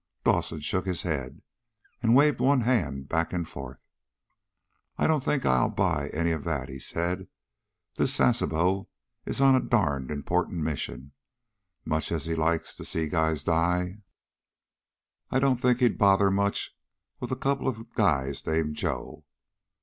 Dawson shook his head, and waved one hand back and forth. "I don't think I'll buy any of that," he said. "This Sasebo is on a darned important mission. Much as he likes to see guys die, I don't think he'll bother much with a couple of guys named Joe.